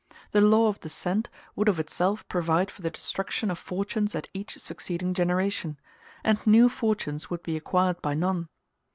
The law of descent would of itself provide for the destruction of fortunes at each succeeding generation; and new fortunes would be acquired by none.